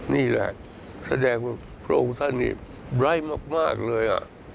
นี่แหละแสดงว่าพระองค์ท่านนี่ไร้มากเลย